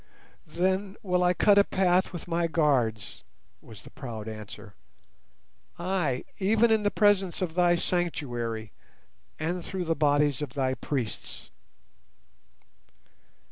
"Then will I cut a path with my guards," was the proud answer; "ay, even in the presence of thy sanctuary, and through the bodies of thy priests."